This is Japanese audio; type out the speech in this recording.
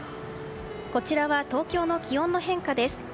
こちらは東京の気温の変化です。